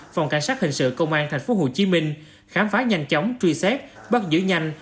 phòng cảnh sát hình sự công an tp hcm khám phá nhanh chóng truy xét bắt giữ nhanh